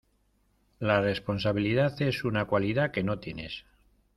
La responsabilidad es una cualidad que no tienes.